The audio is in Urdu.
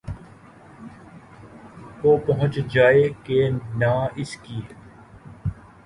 کو پہنچ جائے کہ نہ اس کی